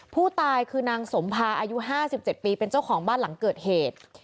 ผู้ตายคือนางสมภาอายุ๕๗ปีเป็นเจ้าของบ้านหลังเกิดเหตุ